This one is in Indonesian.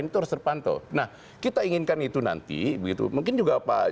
terima kasih pak jamal